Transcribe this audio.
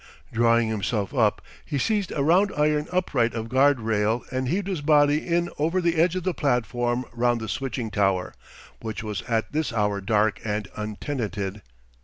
Drawing himself up, he seized a round iron upright of guard rail and heaved his body in over the edge of the platform round the switching tower, which was at this hour dark and untenanted.